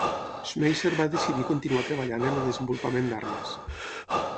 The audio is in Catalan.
Schmeisser va decidir continuar treballant en el desenvolupament d"armes.